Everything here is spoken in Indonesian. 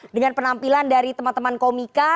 dengan penampilan dari teman teman komika